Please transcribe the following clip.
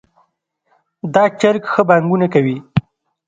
دا چرګ ښه بانګونه کوي